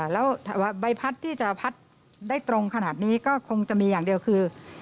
แล้วใบพัดที่จะพัดได้ตรงขนาดนี้ก็คงจะมีอย่างเดียวคือ